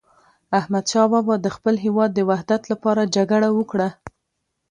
احمد شاه بابا د خپل هیواد د وحدت لپاره جګړه وکړه.